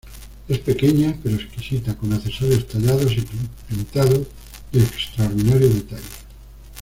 Es pequeña, pero exquisita, con accesorios tallados y pintados, de extraordinario detalle.